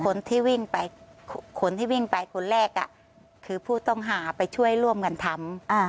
คนที่วิ่งไปคนที่วิ่งไปคนแรกคือผู้ต้องหาไปช่วยร่วมกันทำ